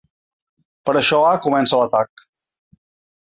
Per això ha comença l’atac.